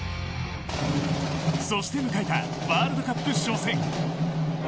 そして迎えたワールドカップ初戦。